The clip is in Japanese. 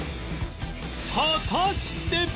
果たして